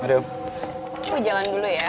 aku jalan dulu ya